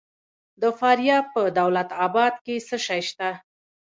د فاریاب په دولت اباد کې څه شی شته؟